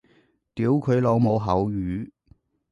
屌佢老母口語